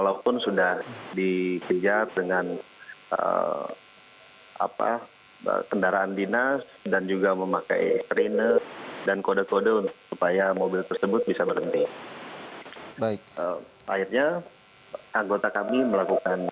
yang dilakukan oleh sata bata